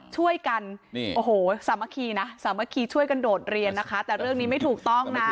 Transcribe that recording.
ช่วยกันโอ้โหสามัคคีนะสามัคคีช่วยกันโดดเรียนนะคะแต่เรื่องนี้ไม่ถูกต้องนะ